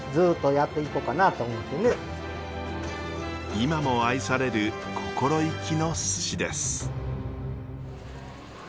今も愛される心意気のすしです。